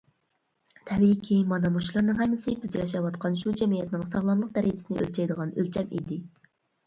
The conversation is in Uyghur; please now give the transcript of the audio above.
تەبىئىيكى مانا مۇشۇلارنىڭ ھەممىسى بىز ياشاۋاتقان شۇ جەمئىيەتنىڭ ساغلاملىق دەرىجىسىنى ئۆلچەيدىغان ئۆلچەم ئىدى.